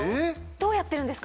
どうやってるんですか？